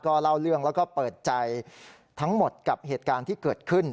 เล่าเรื่องแล้วก็เปิดใจทั้งหมดกับเหตุการณ์ที่เกิดขึ้น